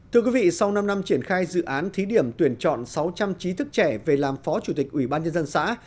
thưa quý vị sau năm năm triển khai dự án thí điểm tuyển chọn sáu trăm linh trí thức trẻ về làm phó chủ tịch ủy ban nhân dân xã